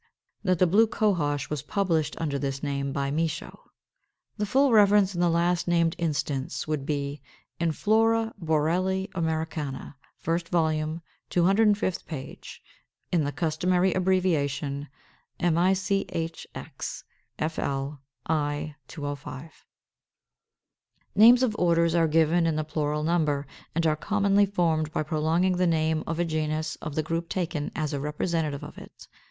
that the Blue Cohosh was published under this name by Michaux. The full reference in the last named instance would be, "in Flora Boreali Americana, first volume, 205th page," in the customary abbreviation, "Michx. Fl. i. 205." 540. =Names of Orders= are given in the plural number, and are commonly formed by prolonging the name of a genus of the group taken as a representative of it.